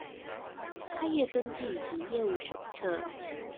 開業登記及業務手冊